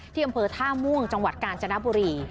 อำเภอท่าม่วงจังหวัดกาญจนบุรี